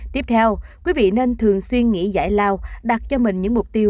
tiếp theo quý vị nên thường xuyên nghĩ giải lao đặt cho mình những mục tiêu